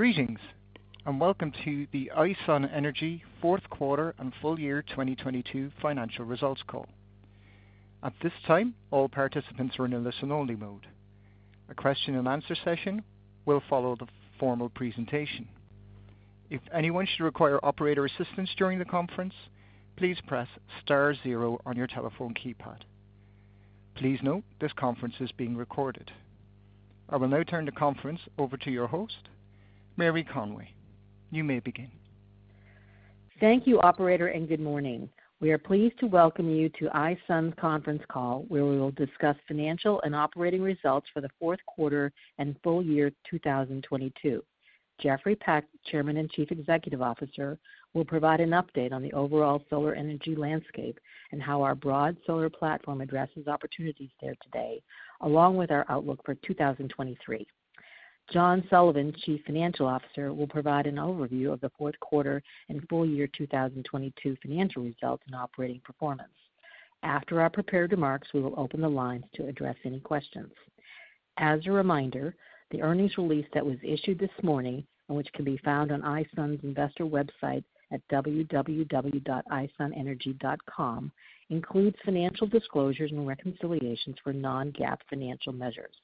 Greetings, welcome to the iSun Energy fourth quarter and Full Year 2022 Financial Results Call. At this time, all participants are in a listen-only mode. A question and answer session will follow the formal presentation. If anyone should require operator assistance during the conference, please press star zero on your telephone keypad. Please note this conference is being recorded. I will now turn the conference over to your host, Mary Conway. You may begin. Thank you operator, and good morning. We are pleased to welcome you to iSun's Conference Call, where we will discuss financial and operating results for the fourth quarter and full year 2022. Jeffrey Peck, Chairman and Chief Executive Officer, will provide an update on the overall solar energy landscape and how our broad solar platform addresses opportunities there today, along with our outlook for 2023. John Sullivan, Chief Financial Officer, will provide an overview of the fourth quarter and full year 2022 financial results and operating performance. After our prepared remarks, we will open the lines to address any questions. As a reminder, the earnings release that was issued this morning and which can be found on iSun's investor website at www.isunenergy.com includes financial disclosures and reconciliations for non-GAAP financial measures.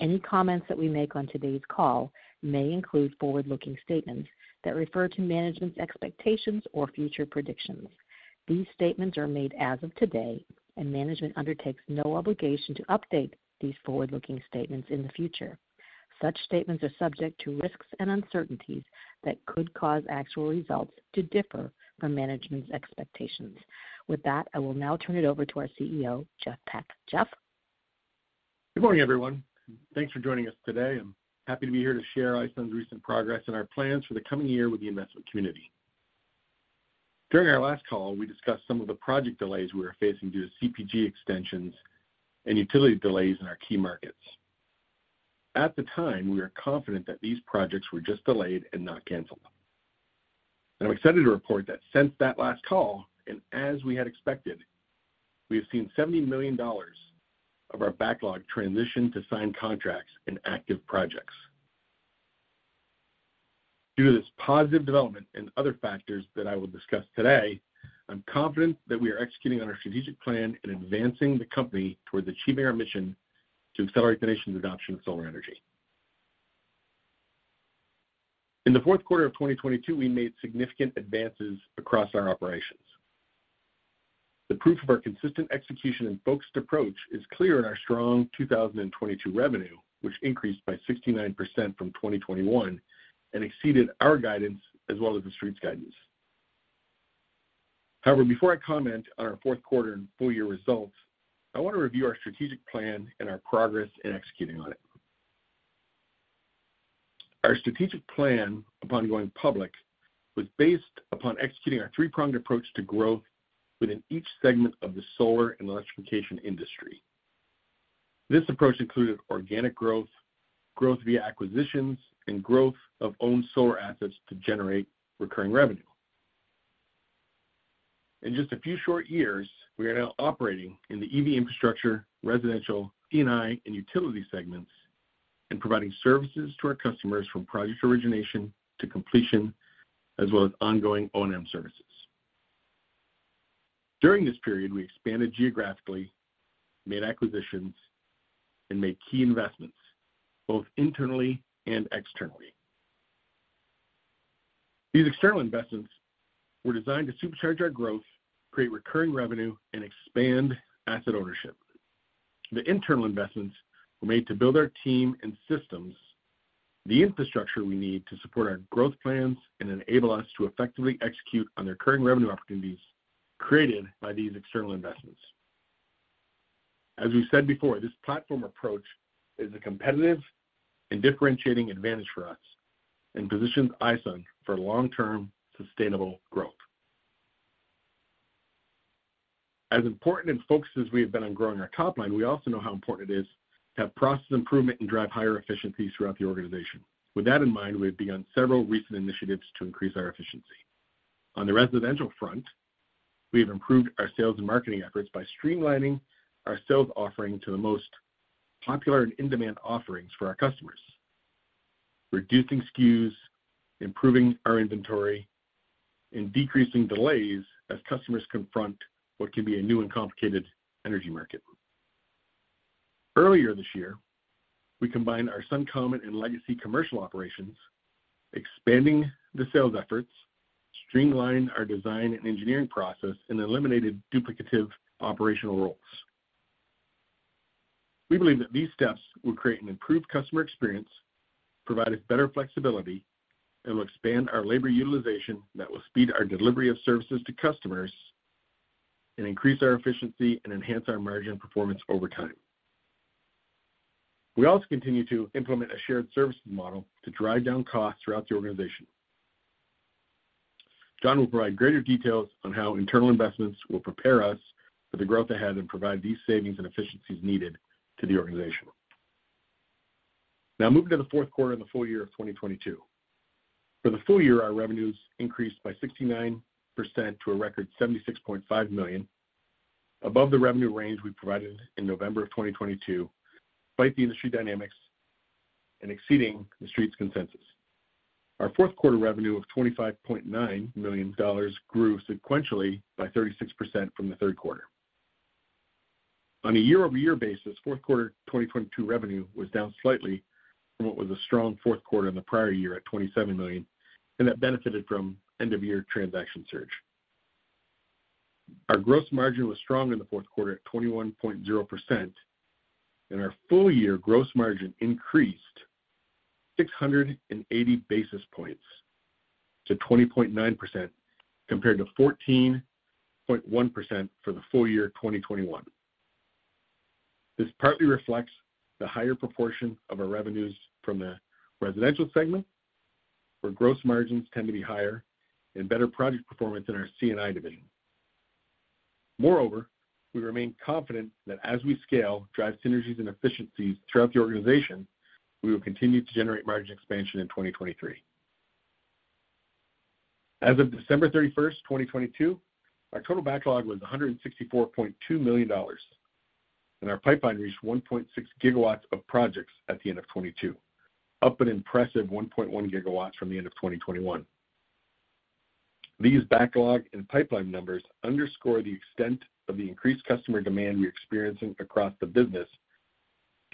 Any comments that we make on today's call may include forward-looking statements that refer to management's expectations or future predictions. These statements are made as of today. Management undertakes no obligation to update these forward-looking statements in the future. Such statements are subject to risks and uncertainties that could cause actual results to differ from management's expectations. With that, I will now turn it over to our CEO, Jeff Peck. Jeff? Good morning everyone. Thanks for joining us today. I'm happy to be here to share iSun's recent progress and our plans for the coming year with the investment community. During our last call, we discussed some of the project delays we were facing due to CPG extensions and utility delays in our key markets. At the time, we were confident that these projects were just delayed and not canceled. I'm excited to report that since that last call, and as we had expected, we have seen $70 million of our backlog transition to signed contracts and active projects. Due to this positive development and other factors that I will discuss today, I'm confident that we are executing on our strategic plan and advancing the company towards achieving our mission to accelerate the nation's adoption of solar energy. In the fourth quarter of 2022, we made significant advances across our operations. The proof of our consistent execution and focused approach is clear in our strong 2022 revenue, which increased by 69% from 2021 and exceeded our guidance as well as the street's guidance. Before I comment on our fourth quarter and full year results, I want to review our strategic plan and our progress in executing on it. Our strategic plan upon going public was based upon executing our three-pronged approach to growth within each segment of the solar and electrification industry. This approach included organic growth via acquisitions, and growth of own solar assets to generate recurring revenue. In just a few short years, we are now operating in the EV infrastructure, residential, C&I, and utility segments and providing services to our customers from project origination to completion, as well as ongoing O&M services. During this period, we expanded geographically, made acquisitions, and made key investments both internally and externally. These external investments were designed to supercharge our growth, create recurring revenue, and expand asset ownership. The internal investments were made to build our team and systems, the infrastructure we need to support our growth plans and enable us to effectively execute on the recurring revenue opportunities created by these external investments. As we've said before, this platform approach is a competitive and differentiating advantage for us and positions iSun for long-term sustainable growth. As important and focused as we have been on growing our top line, we also know how important it is to have process improvement and drive higher efficiencies throughout the organization. With that in mind, we have begun several recent initiatives to increase our efficiency. On the residential front, we have improved our sales and marketing efforts by streamlining our sales offering to the most popular and in-demand offerings for our customers, reducing SKUs, improving our inventory, and decreasing delays as customers confront what can be a new and complicated energy market. Earlier this year, we combined our SunCommon and legacy commercial operations, expanding the sales efforts, streamlined our design and engineering process, and eliminated duplicative operational roles. We believe that these steps will create an improved customer experience, provide us better flexibility, and will expand our labor utilization that will speed our delivery of services to customers and increase our efficiency and enhance our margin performance over time. We also continue to implement a shared services model to drive down costs throughout the organization. John will provide greater details on how internal investments will prepare us for the growth ahead and provide these savings and efficiencies needed to the organization. Moving to the fourth quarter and the full year of 2022. For the full year, our revenues increased by 69% to a record $76.5 million. Above the revenue range we provided in November of 2022, despite the industry dynamics and exceeding the street's consensus. Our fourth quarter revenue of $25.9 million grew sequentially by 36% from the third quarter. On a year-over-year basis, fourth quarter 2022 revenue was down slightly from what was a strong fourth quarter in the prior year at $27 million. That benefited from end-of-year transaction search. Our gross margin was strong in the fourth quarter at 21.0%, and our full year gross margin increased 680 basis points to 20.9% compared to 14.1% for the full year 2021. This partly reflects the higher proportion of our revenues from the residential segment, where gross margins tend to be higher and better project performance in our C&I division. Moreover, we remain confident that as we scale, drive synergies and efficiencies throughout the organization, we will continue to generate margin expansion in 2023. As of December 31st, 2022, our total backlog was $164.2 million, and our pipeline reached 1.6 gigawatts of projects at the end of 2022, up an impressive 1.1 gigawatts from the end of 2021. These backlog and pipeline numbers underscore the extent of the increased customer demand we're experiencing across the business,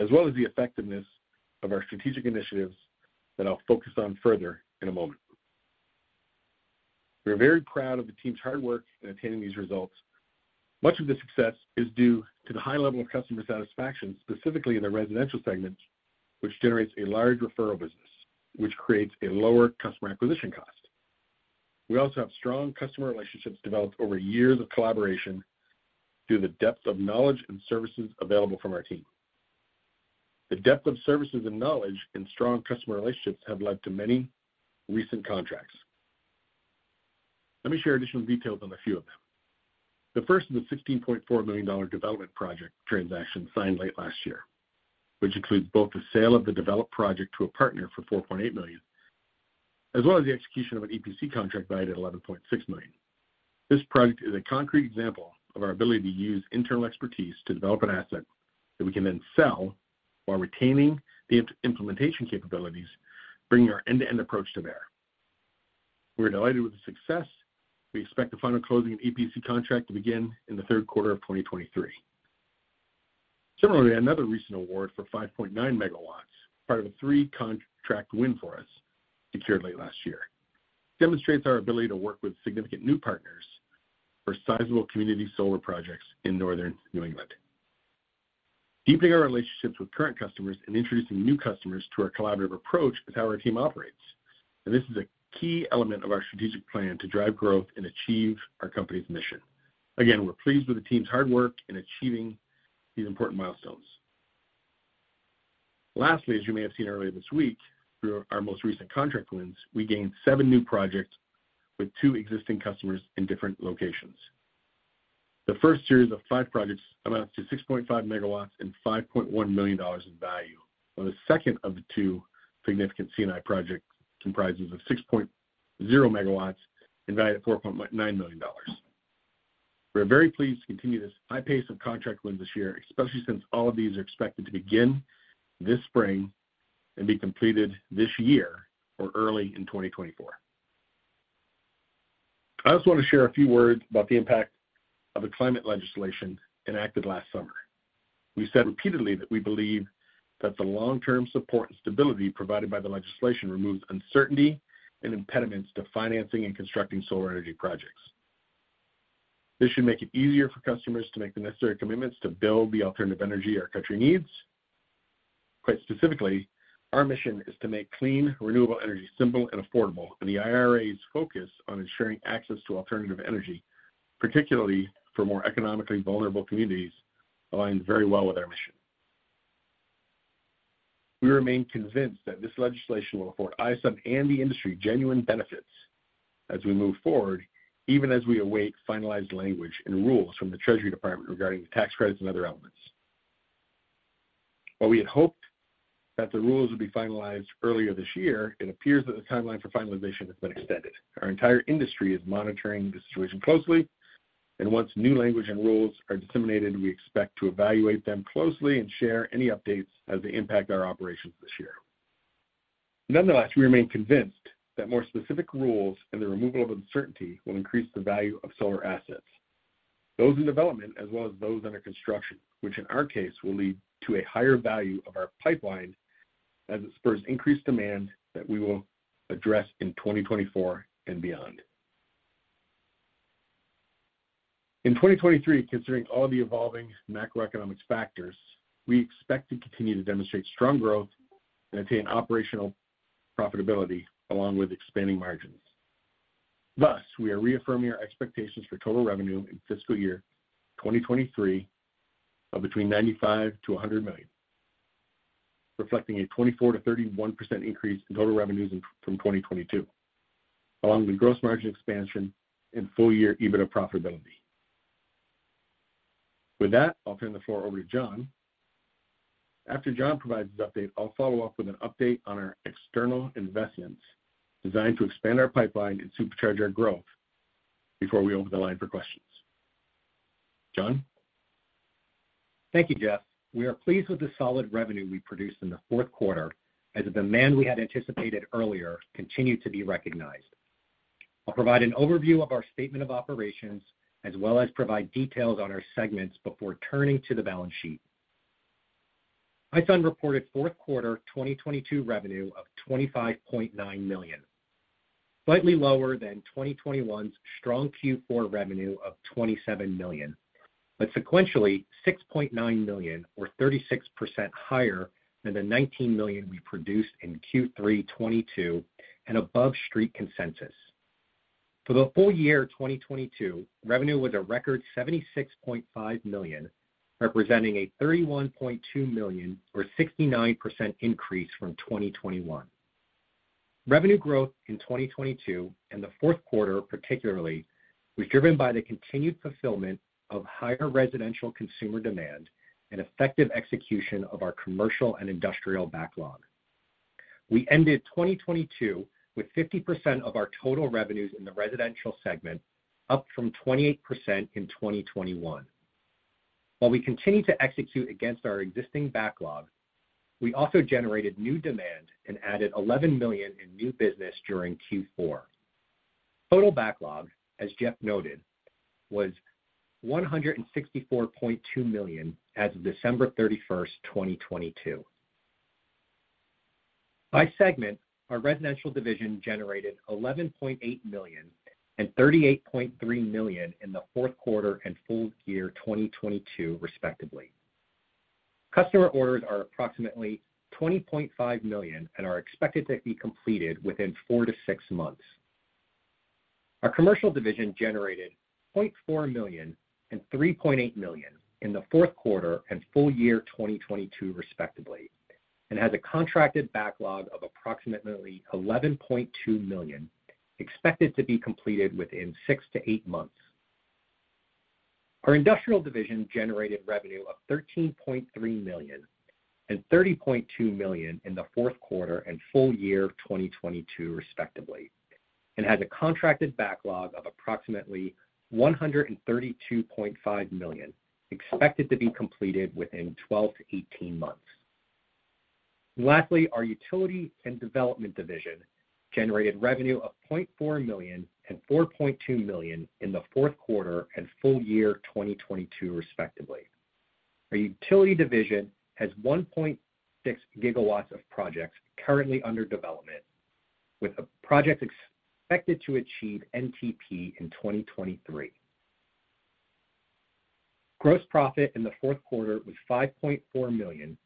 as well as the effectiveness of our strategic initiatives that I'll focus on further in a moment. We're very proud of the team's hard work in attaining these results. Much of the success is due to the high level of customer satisfaction, specifically in the residential segment, which generates a large referral business, which creates a lower customer acquisition cost. We also have strong customer relationships developed over years of collaboration through the depth of knowledge and services available from our team. The depth of services and knowledge and strong customer relationships have led to many recent contracts. Let me share additional details on a few of them. The first is a $16.4 million development project transaction signed late last year, which includes both the sale of the developed project to a partner for $4.8 million, as well as the execution of an EPC contract by it at $11.6 million. This project is a concrete example of our ability to use internal expertise to develop an asset that we can then sell while retaining the implementation capabilities, bringing our end-to-end approach to bear. We're delighted with the success. We expect the final closing and EPC contract to begin in the third quarter of 2023. Similarly, another recent award for 5.9 megawatts, part of a three contract win for us secured late last year, demonstrates our ability to work with significant new partners for sizable community solar projects in northern New England. Deepening our relationships with current customers and introducing new customers to our collaborative approach is how our team operates, and this is a key element of our strategic plan to drive growth and achieve our company's mission. Again, we're pleased with the team's hard work in achieving these important milestones. Lastly, as you may have seen earlier this week, through our most recent contract wins, we gained seven new projects with two existing customers in different locations. The first series of five projects amounts to 6.5 megawatts and $5.1 million in value, while the second of the two significant C&I projects comprises of 6.0 megawatts and valued at $4.9 million. We're very pleased to continue this high pace of contract wins this year, especially since all of these are expected to begin this spring and be completed this year or early in 2024. I also want to share a few words about the impact of the climate legislation enacted last summer. We've said repeatedly that we believe that the long-term support and stability provided by the legislation removes uncertainty and impediments to financing and constructing solar energy projects. This should make it easier for customers to make the necessary commitments to build the alternative energy our country needs. Quite specifically, our mission is to make clean, renewable energy simple and affordable, and the IRA's focus on ensuring access to alternative energy, particularly for more economically vulnerable communities, aligns very well with our mission. We remain convinced that this legislation will afford iSun and the industry genuine benefits as we move forward, even as we await finalized language and rules from the Treasury Department regarding the tax credits and other elements. While we had hoped that the rules would be finalized earlier this year, it appears that the timeline for finalization has been extended. Our entire industry is monitoring the situation closely, and once new language and rules are disseminated, we expect to evaluate them closely and share any updates as they impact our operations this year. Nonetheless, we remain convinced that more specific rules and the removal of uncertainty will increase the value of solar assets, those in development as well as those under construction, which in our case, will lead to a higher value of our pipeline as it spurs increased demand that we will address in 2024 and beyond. In 2023, considering all the evolving macroeconomics factors, we expect to continue to demonstrate strong growth and attain operational profitability along with expanding margins. Thus, we are reaffirming our expectations for total revenue in fiscal year 2023 of between $95 million-$100 million, reflecting a 24%-31% increase in total revenues from 2022, along with gross margin expansion and full year EBITDA profitability. With that, I'll turn the floor over to John. After John provides his update, I'll follow up with an update on our external investments designed to expand our pipeline and supercharge our growth before we open the line for questions. John? Thank you, Jeff. We are pleased with the solid revenue we produced in the fourth quarter as the demand we had anticipated earlier continued to be recognized. I'll provide an overview of our statement of operations as well as provide details on our segments before turning to the balance sheet. iSun reported fourth quarter 2022 revenue of $25.9 million. Slightly lower than 2021's strong Q4 revenue of $27 million, but sequentially $6.9 million or 36% higher than the $19 million we produced in Q3 2022 and above street consensus. For the full year 2022, revenue was a record $76.5 million, representing a $31.2 million or 69% increase from 2021. Revenue growth in 2022 and the fourth quarter particularly was driven by the continued fulfillment of higher residential consumer demand and effective execution of our Commercial & Industrial backlog. We ended 2022 with 50% of our total revenues in the residential segment, up from 28% in 2021. While we continue to execute against our existing backlog, we also generated new demand and added $11 million in new business during Q4. Total backlog, as Jeff noted, was $164.2 million as of December 31st, 2022. By segment, our residential division generated $11.8 million and $38.3 million in the fourth quarter and full year 2022 respectively. Customer orders are approximately $20.5 million and are expected to be completed within four to six months. Our commercial division generated $0.4 million and $3.8 million in the fourth quarter and full year 2022 respectively, and has a contracted backlog of approximately $11.2 million expected to be completed within 6-8 months. Our industrial division generated revenue of $13.3 million and $30.2 million in the fourth quarter and full year of 2022 respectively, and has a contracted backlog of approximately $132.5 million expected to be completed within 12-18 months. Lastly, our utility and development division generated revenue of $0.4 million and $4.2 million in the fourth quarter and full year 2022 respectively. Our utility division has 1.6 GW of projects currently under development with a project expected to achieve NTP in 2023. Gross profit in the fourth quarter was $5.4 million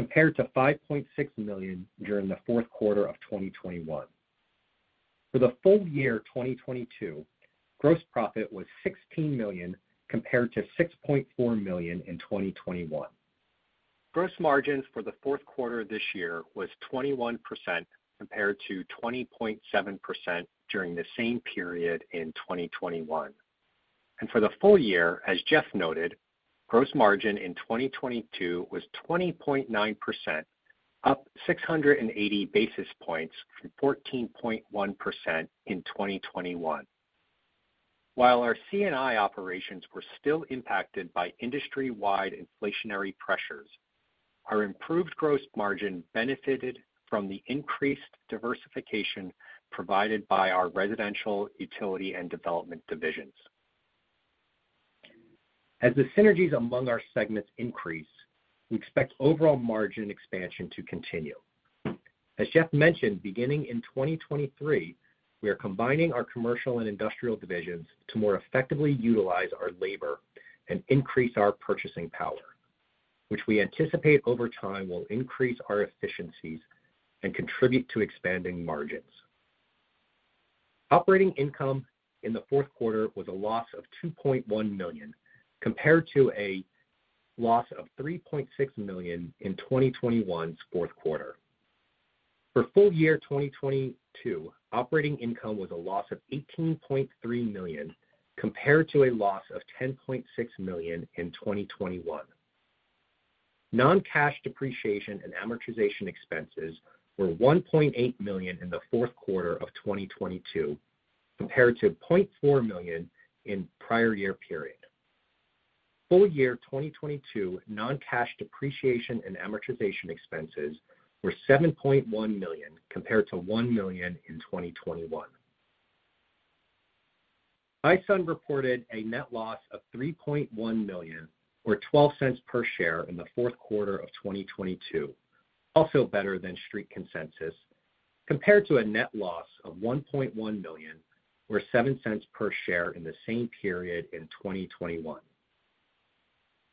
compared to $5.6 million during the fourth quarter of 2021. For the full year 2022, gross profit was $16 million compared to $6.4 million in 2021. Gross margins for the fourth quarter this year was 21% compared to 20.7% during the same period in 2021. For the full year, as Jeff noted, gross margin in 2022 was 20.9%, up 680 basis points from 14.1% in 2021. While our C&I operations were still impacted by industry-wide inflationary pressures, our improved gross margin benefited from the increased diversification provided by our residential, utility and development divisions. As the synergies among our segments increase, we expect overall margin expansion to continue. As Jeff mentioned, beginning in 2023, we are combining our commercial and industrial divisions to more effectively utilize our labor and increase our purchasing power, which we anticipate over time will increase our efficiencies and contribute to expanding margins. Operating income in the fourth quarter was a loss of $2.1 million compared to a loss of $3.6 million in 2021's fourth quarter. For full year 2022, operating income was a loss of $18.3 million compared to a loss of $10.6 million in 2021. Non-cash depreciation and amortization expenses were $1.8 million in the fourth quarter of 2022 compared to $0.4 million in prior year period. Full year 2022 non-cash depreciation and amortization expenses were $7.1 million compared to $1 million in 2021. iSun reported a net loss of $3.1 million or $0.12 per share in the fourth quarter of 2022, also better than street consensus, compared to a net loss of $1.1 million or $0.07 per share in the same period in 2021.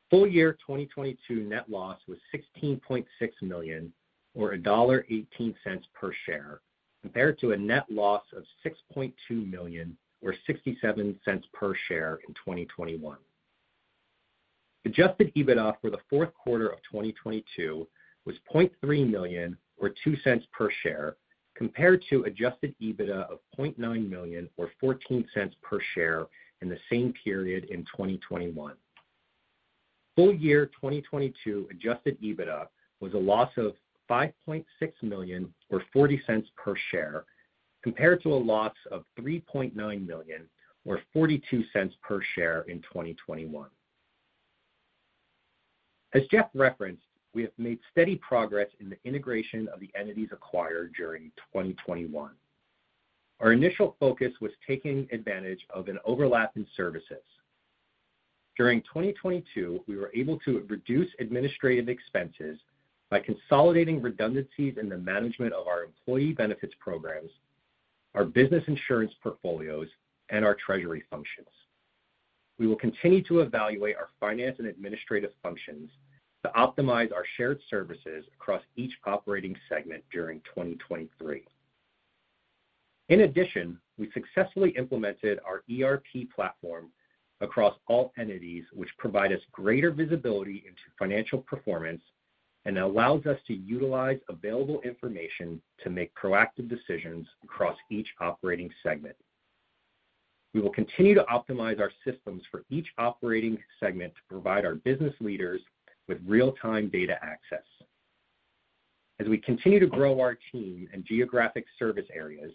Full year 2022 net loss was $16.6 million or $1.18 per share compared to a net loss of $6.2 million or $0.67 per share in 2021. Adjusted EBITDA for the fourth quarter of 2022 was $0.3 million or $0.02 per share. Compared to adjusted EBITDA of $0.9 million or $0.14 per share in the same period in 2021. Full year 2022 adjusted EBITDA was a loss of $5.6 million or $0.40 per share compared to a loss of $3.9 million or $0.42 per share in 2021. As Jeff referenced, we have made steady progress in the integration of the entities acquired during 2021. Our initial focus was taking advantage of an overlap in services. During 2022, we were able to reduce administrative expenses by consolidating redundancies in the management of our employee benefits programs, our business insurance portfolios, and our treasury functions. We will continue to evaluate our finance and administrative functions to optimize our shared services across each operating segment during 2023. We successfully implemented our ERP platform across all entities, which provide us greater visibility into financial performance and allows us to utilize available information to make proactive decisions across each operating segment. We will continue to optimize our systems for each operating segment to provide our business leaders with real-time data access. As we continue to grow our team and geographic service areas,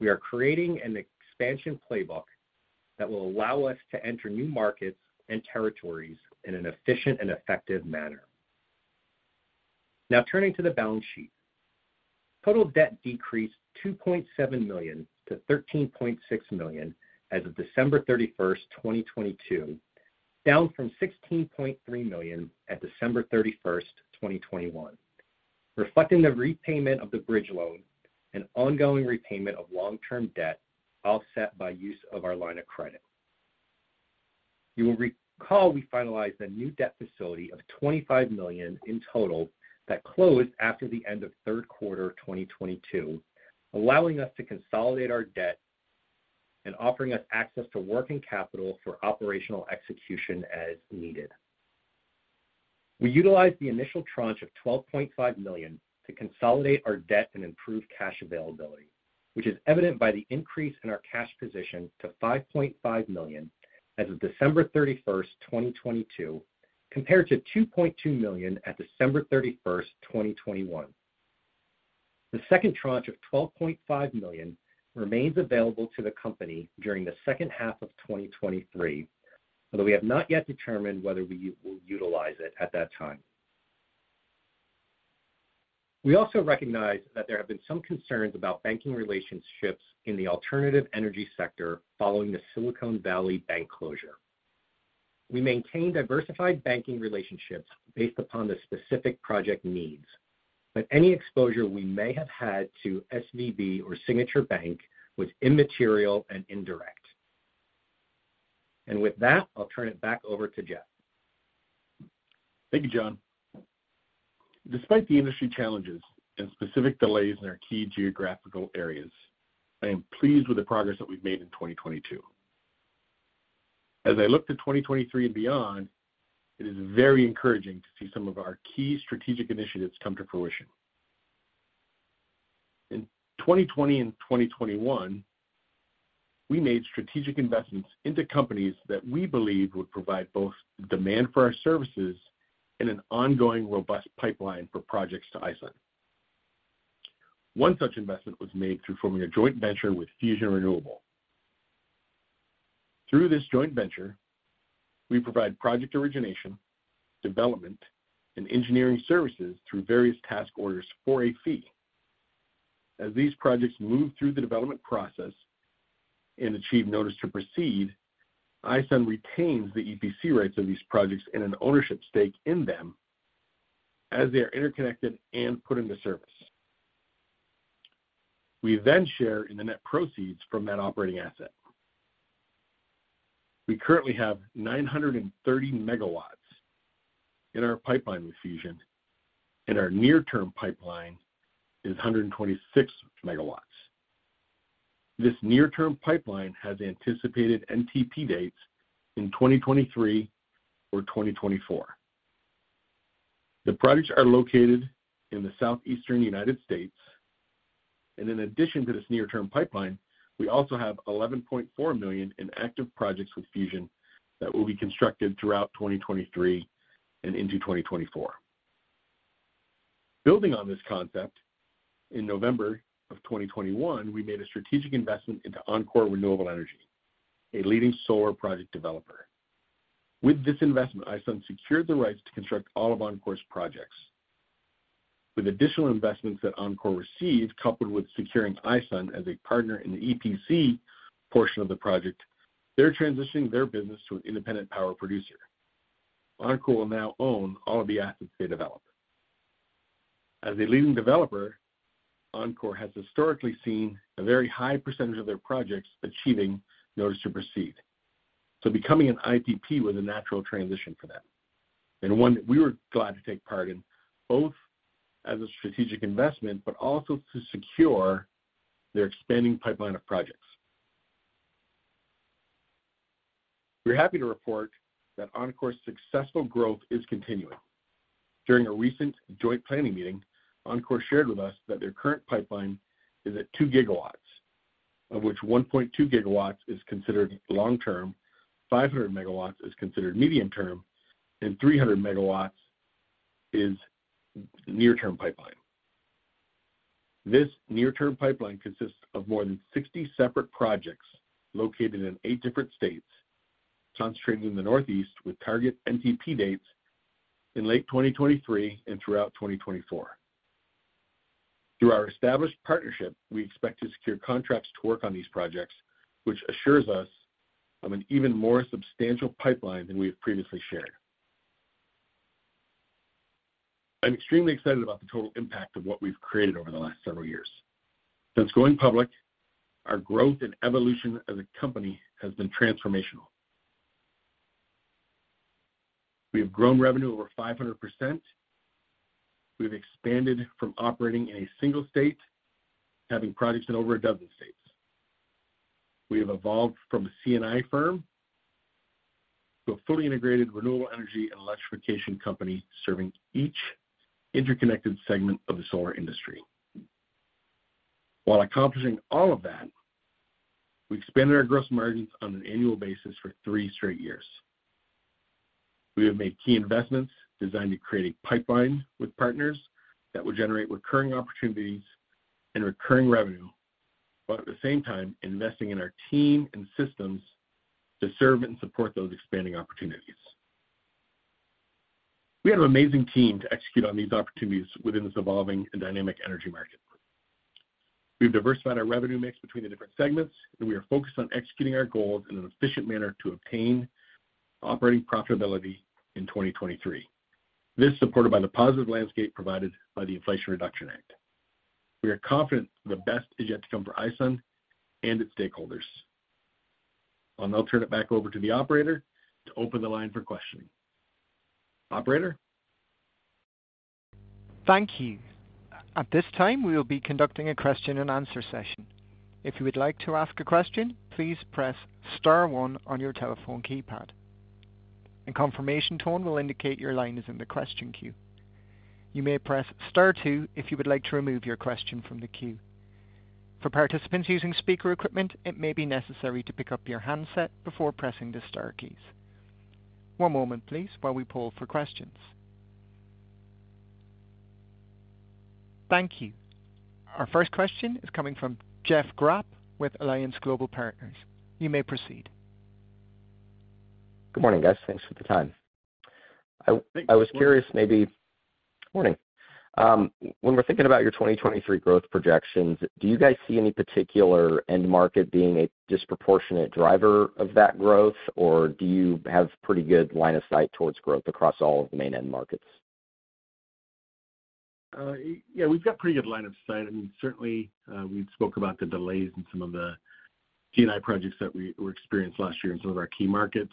we are creating an expansion playbook that will allow us to enter new markets and territories in an efficient and effective manner. Turning to the balance sheet. Total debt decreased $2.7 million to $13.6 million as of December 31, 2022, down from $16.3 million at December 31, 2021, reflecting the repayment of the bridge loan and ongoing repayment of long-term debt, offset by use of our line of credit. You will recall we finalized a new debt facility of $25 million in total that closed after the end of third quarter 2022, allowing us to consolidate our debt and offering us access to working capital for operational execution as needed. We utilized the initial tranche of $12.5 million to consolidate our debt and improve cash availability, which is evident by the increase in our cash position to $5.5 million as of December 31, 2022, compared to $2.2 million at December 31, 2021. The second tranche of $12.5 million remains available to the company during the second half of 2023, although we have not yet determined whether we will utilize it at that time. We also recognize that there have been some concerns about banking relationships in the alternative energy sector following the Silicon Valley Bank closure. We maintain diversified banking relationships based upon the specific project needs, any exposure we may have had to SVB or Signature Bank was immaterial and indirect. With that, I'll turn it back over to Jeff. Thank you, John. Despite the industry challenges and specific delays in our key geographical areas, I am pleased with the progress that we've made in 2022. As I look to 2023 and beyond, it is very encouraging to see some of our key strategic initiatives come to fruition. In 2020 and 2021, we made strategic investments into companies that we believed would provide both demand for our services and an ongoing robust pipeline for projects to iSun. One such investment was made through forming a joint venture with Fusion Renewable. Through this joint venture, we provide project origination, development, and engineering services through various task orders for a fee. As these projects move through the development process and achieve notice to proceed, iSun retains the EPC rights of these projects and an ownership stake in them as they are interconnected and put into service. We share in the net proceeds from that operating asset. We currently have 930 megawatts in our pipeline with Fusion, and our near-term pipeline is 126 megawatts. This near-term pipeline has anticipated NTP dates in 2023 or 2024. The projects are located in the southeastern United States. In addition to this near-term pipeline, we also have $11.4 million in active projects with Fusion that will be constructed throughout 2023 and into 2024. Building on this concept, in November of 2021, we made a strategic investment into Encore Renewable Energy, a leading solar project developer. With this investment, iSun secured the rights to construct all of Encore's projects. With additional investments that Encore received, coupled with securing iSun as a partner in the EPC portion of the project, they're transitioning their business to an independent power producer. Encore will now own all of the assets they develop. As a leading developer, Encore has historically seen a very high percentage of their projects achieving notice to proceed. Becoming an IPP was a natural transition for them, and one that we were glad to take part in, both as a strategic investment, but also to secure their expanding pipeline of projects. We're happy to report that Encore's successful growth is continuing. During a recent joint planning meeting, Encore shared with us that their current pipeline is at 2 gigawatts. Of which 1.2 gigawatts is considered long-term, 500 megawatts is considered medium-term, and 300 megawatts is near-term pipeline. This near-term pipeline consists of more than 60 separate projects located in eight different states, concentrated in the Northeast, with target NTP dates in late 2023 and throughout 2024. Through our established partnership, we expect to secure contracts to work on these projects, which assures us of an even more substantial pipeline than we have previously shared. I'm extremely excited about the total impact of what we've created over the last several years. Since going public, our growth and evolution as a company have been transformational. We have grown revenue over 500%. We've expanded from operating in a single state, having projects in over a dozen states. We have evolved from a C&I firm to a fully integrated renewable energy and electrification company, serving each interconnected segment of the solar industry. While accomplishing all of that, we expanded our gross margins on an annual basis for three straight years. We have made key investments designed to create a pipeline with partners that will generate recurring opportunities and recurring revenue, while at the same time investing in our team and systems to serve and support those expanding opportunities. We have an amazing team to execute on these opportunities within this evolving and dynamic energy market. We've diversified our revenue mix between the different segments, and we are focused on executing our goals in an efficient manner to obtain operating profitability in 2023. This supported by the positive landscape provided by the Inflation Reduction Act. We are confident the best is yet to come for iSun and its stakeholders. I'll now turn it back over to the operator to open the line for questioning. Operator? Thank you. At this time, we will be conducting a question and answer session. If you would like to ask a question, please press star one on your telephone keypad. A confirmation tone will indicate your line is in the question queue. You may press star two if you would like to remove your question from the queue. For participants using speaker equipment, it may be necessary to pick up your handset before pressing the star keys. One moment, please, while we poll for questions. Thank you. Our first question is coming from Jeffrey Grampp with Alliance Global Partners. You may proceed. Good morning, guys. Thanks for the time. Thank you. Good morning. I was curious maybe. Morning. When we're thinking about your 2023 growth projections, do you guys see any particular end market being a disproportionate driver of that growth? Or do you have pretty good line of sight towards growth across all of the main end markets? Yeah, we've got pretty good line of sight. I mean, certainly, we spoke about the delays in some of the C&I projects that were experienced last year in some of our key markets.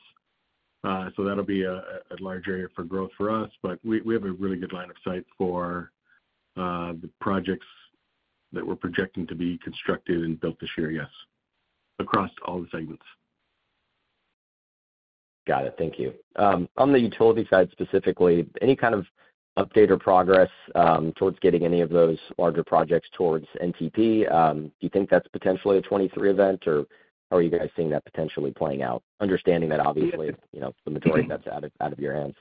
That'll be a large area for growth for us. We have a really good line of sight for the projects that we're projecting to be constructed and built this year, yes, across all the segments. Got it. Thank you. On the utility side, specifically, any kind of update or progress towards getting any of those larger projects towards NTP? Do you think that's potentially a 23 event? How are you guys seeing that potentially playing out? Understanding that obviously, you know, the majority of that's out of, out of your hands.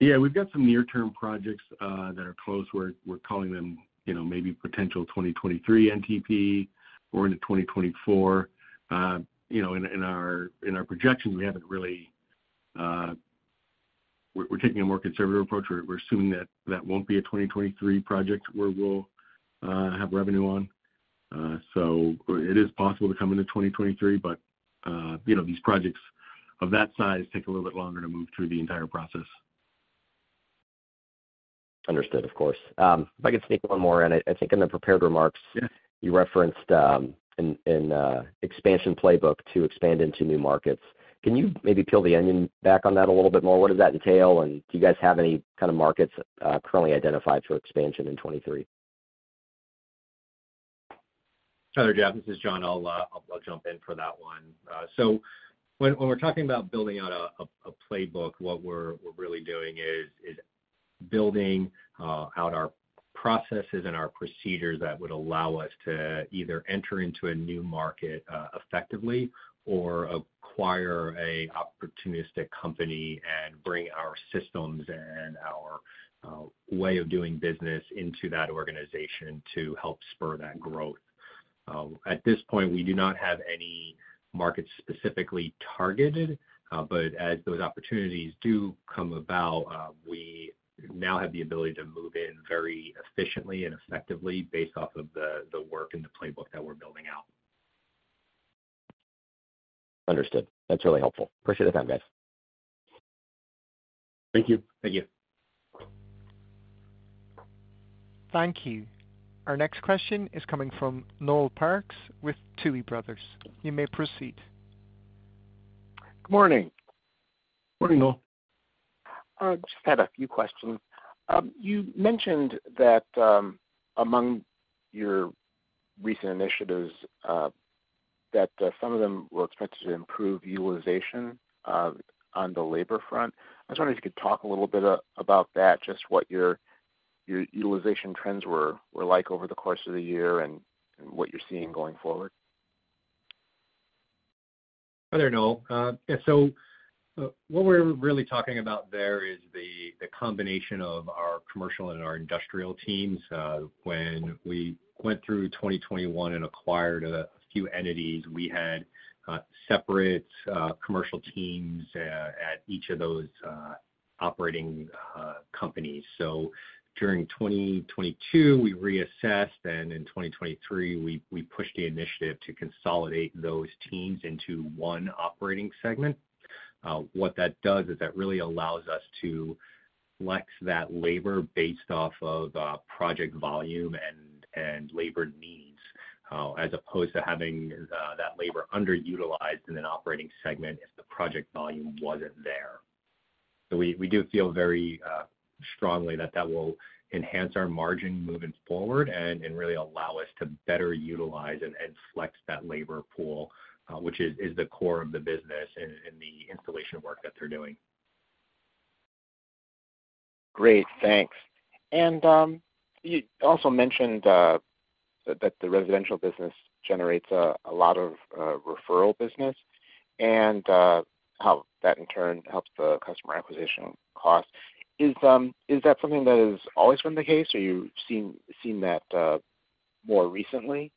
Yeah. We've got some near-term projects that are close. We're calling them, you know, maybe potential 2023 NTP or into 2024. You know, in our projections, we haven't really. We're taking a more conservative approach. We're assuming that that won't be a 2023 project where we'll have revenue on. It is possible to come into 2023, but, you know, these projects of that size take a little bit longer to move through the entire process. Understood, of course. If I could sneak one more in it. I think in the prepared remarks- Yeah. -you referenced, an expansion playbook to expand into new markets. Can you maybe peel the onion back on that a little bit more? What does that entail? Do you guys have any kind of markets currently identified for expansion in 2023? Sure, Jeff, this is John. I'll jump in for that one. When we're talking about building out a playbook, what we're really doing is building out our processes and our procedures that would allow us to either enter into a new market effectively or acquire a opportunistic company and bring our systems and our way of doing business into that organization to help spur that growth. At this point, we do not have any markets specifically targeted, but as those opportunities do come about, we now have the ability to move in very efficiently and effectively based off of the work and the playbook that we're building out. Understood. That's really helpful. Appreciate the time, guys. Thank you. Thank you. Thank you. Our next question is coming from Noel Parks with Tuohy Brothers. You may proceed. Good morning. Morning, Noel. Just had a few questions. You mentioned that among your recent initiatives, that some of them were expected to improve utilization on the labor front. I was wondering if you could talk a little bit about that, just what your utilization trends were like over the course of the year and what you're seeing going forward. Hi there, Noel. What we're really talking about there is the combination of our commercial and our industrial teams. When we went through 2021 and acquired a few entities, we had separate commercial teams at each of those operating companies. During 2022 we reassessed, and in 2023 we pushed the initiative to consolidate those teams into one operating segment. What that does is that really allows us to flex that labor based off of project volume and labor needs as opposed to having that labor underutilized in an operating segment if the project volume wasn't there. We do feel very strongly that that will enhance our margin moving forward and really allow us to better utilize and flex that labor pool, which is the core of the business and the installation work that they're doing. Great. Thanks. You also mentioned that the residential business generates a lot of referral business and how that in turn helps the customer acquisition cost. Is that something that has always been the case or you've seen that more recently?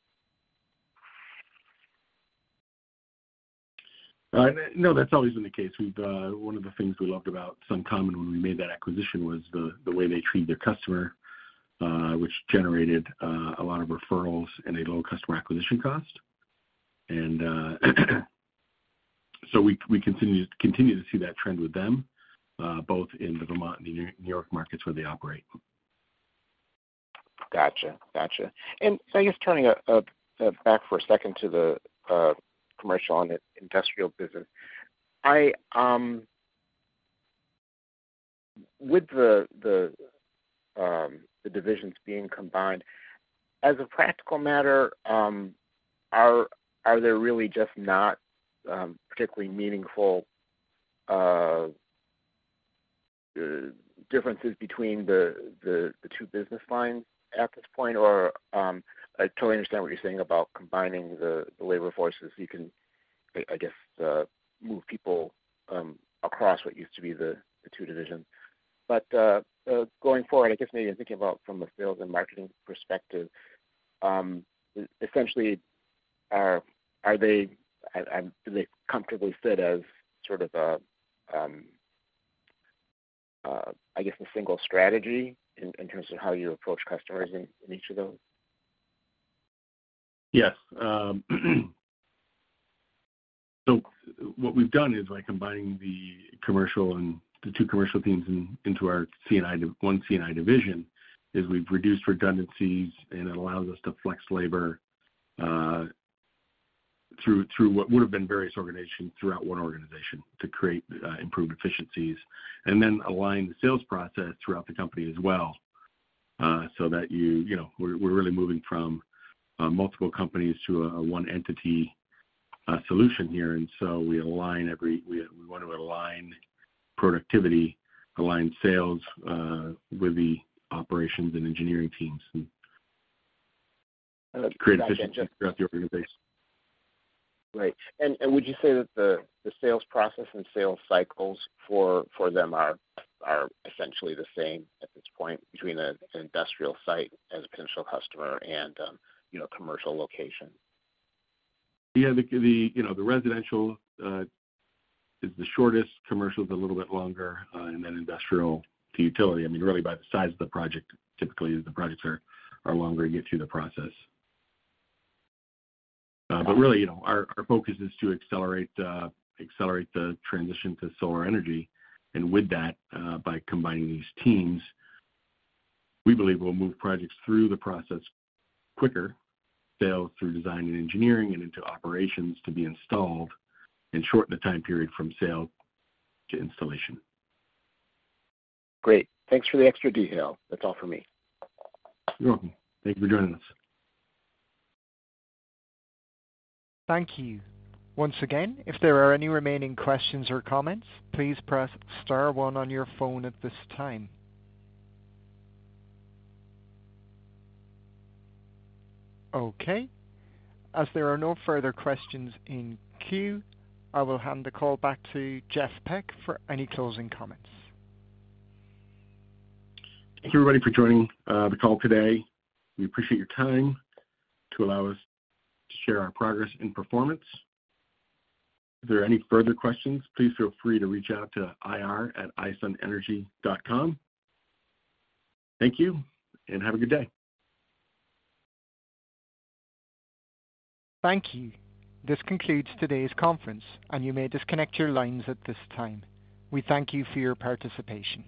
No, that's always been the case. We've. One of the things we loved about SunCommon when we made that acquisition was the way they treat their customer, which generated a lot of referrals and a low customer acquisition cost. We continue to see that trend with them, both in the Vermont and New York markets where they operate. Gotcha. Gotcha. I guess turning back for a second to the Commercial and Industrial business, I... With the divisions being combined, as a practical matter, are there really just not particularly meaningful differences between the two business lines at this point? Or I totally understand what you're saying about combining the labor forces. You can, I guess, move people across what used to be the two divisions. Going forward, I guess maybe in thinking about from a sales and marketing perspective, essentially Do they comfortably fit as sort of a, I guess, a single strategy in terms of how you approach customers in each of those? Yes. What we've done is by combining the commercial and the two commercial teams into our C&I 1 C&I division, is we've reduced redundancies, and it allows us to flex labor through what would have been various organizations throughout one organization to create improved efficiencies and then align the sales process throughout the company as well, so that you know. We're really moving from multiple companies to a one entity solution here. We want to align productivity, align sales with the operations and engineering teams to create efficiencies throughout the organization. Right. Would you say that the sales process and sales cycles for them are essentially the same at this point between an industrial site as a potential customer and, you know, commercial location? Yeah. The, the, you know, the residential is the shortest. Commercial is a little bit longer. Then industrial to utility, I mean, really by the size of the project, typically, as the projects are longer to get through the process. Really, you know, our focus is to accelerate the transition to solar energy. With that, by combining these teams, we believe we'll move projects through the process quicker, sales through design and engineering and into operations to be installed and shorten the time period from sale to installation. Great. Thanks for the extra detail. That's all for me. You're welcome. Thank you for joining us. Thank you. Once again, if there are any remaining questions or comments, please press star one on your phone at this time. Okay. As there are no further questions in queue, I will hand the call back to Jeffrey Peck for any closing comments. Thank you, everybody, for joining the call today. We appreciate your time to allow us to share our progress and performance. If there are any further questions, please feel free to reach out to ir@isunenergy.com. Thank you. Have a good day. Thank you. This concludes today's conference. You may disconnect your lines at this time. We thank you for your participation.